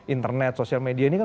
internet sosial media ini kan